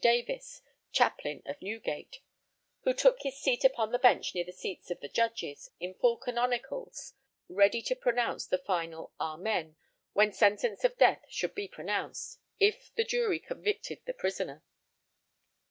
Davis, chaplain of Newgate, who took his seat upon the bench near the seats of the judges, in full canonicals, ready to pronounce the final "Amen," when sentence of death should be pronounced, if the jury convicted the prisoner.